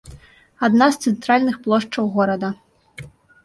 Адна з цэнтральных плошчаў горада.